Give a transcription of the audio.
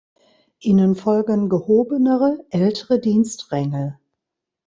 Ihnen folgen gehobenere ältere Dienstränge.